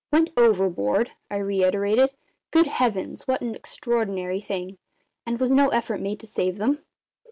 "Went overboard!" I reiterated. "Good Heavens! what an extraordinary thing! And was no effort made to save them?"